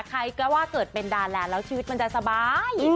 ใครก็ว่าเกิดเป็นดาแลนด์แล้วชีวิตมันจะสบาย